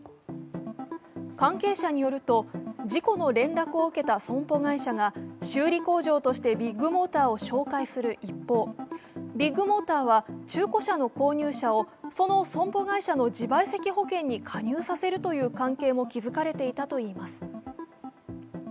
関係者によると事故の連絡を受けた損保会社が修理工場としてビッグモーターを紹介する一方、ビッグモーターは中古車の購入者をその損保会社の自賠責保険に加入させるという関係も築かれていたといいます。